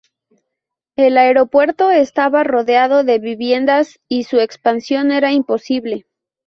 El aeropuerto estaba rodeado de viviendas y su expansión era imposible.